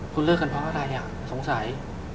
คุณเลิกกันเพราะอะไรสงสัย